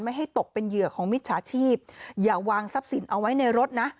ให้ตกเป็นเหยื่อของมิจฉาชีพอย่าวางทรัพย์สินเอาไว้ในรถนะ